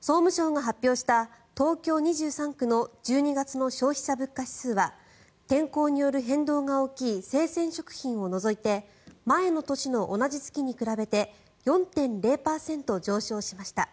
総務省が発表した、東京２３区の１２月の消費者物価指数は天候による変動が大きい生鮮食品を除いて前の年の同じ月に比べて４．０％上昇しました。